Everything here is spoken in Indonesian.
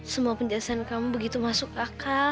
semua penjelasan kamu begitu masuk akal